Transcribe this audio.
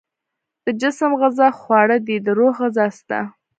د جسم غذا خو خواړه دي، د روح غذا څه ده؟